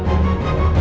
aku mau ke rumah